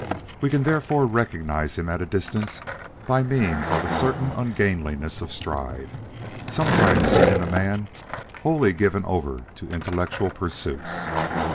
We can therefore recognize him at a distance by means of a certain ungainliness of stride sometimes seen in a man wholly given over to intellectual pursuits.